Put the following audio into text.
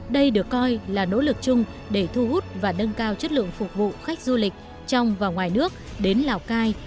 đây được coi là nỗ lực chung để thu hút và nâng cao chất lượng phục vụ khách du lịch trong và ngoài nước đến lào cai